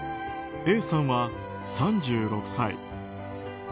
Ａさんは３６歳。